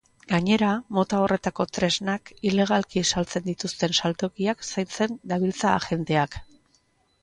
Gainera, mota horretako tresnak ilegalki saltzen dituzten saltokiak zaintzen dabiltza agenteak.